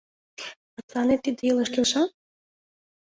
И тыланет тиде илыш келша?